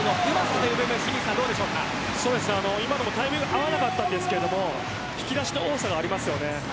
今のもタイミング合わなかったんですが引き出しの多さがあります。